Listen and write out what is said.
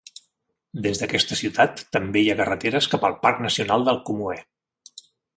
Des d'aquesta ciutat també hi ha carreteres cap al Parc Nacional del Comoé.